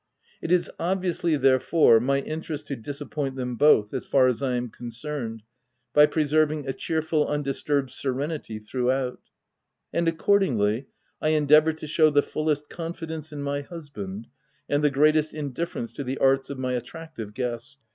It is obviously, therefore, my interest to disap point them bothj as far as I am concerned, by preserving a cheerful, undisturbed serenity throughout; and accordingly I endeavour to show the fullest confidence in my husband and the greatest indifference to the arts of my at tractive guest.